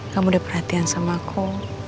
kamu udah perhatian sama aku